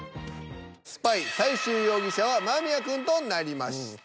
スパイ最終容疑者は間宮くんとなりました。